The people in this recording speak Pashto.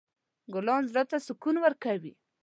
ګلان زړه ته سکون ورکوي.